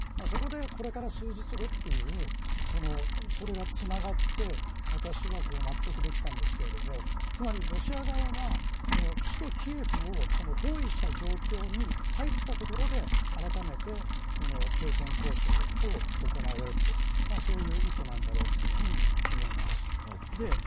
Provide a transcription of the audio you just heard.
そこで、これから数日後というそれがつながって私は納得できたんですけどつまりロシア側は首都キエフを包囲した状況に入ったところであらためて停戦交渉を行おうとそういう意図なんだろうと思います。